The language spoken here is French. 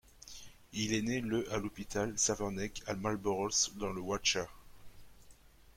Il est né le à l'hôpital Savernake à Marlborough, dans le Wiltshire.